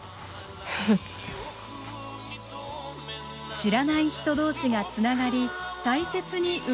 知らない人同士がつながり大切に受け継いでいく。